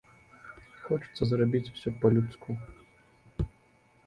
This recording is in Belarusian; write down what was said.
Хочацца зрабіць усё па-людску.